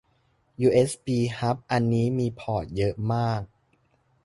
ยูเอสบีฮับอันนี้มีพอร์ตเยอะมาก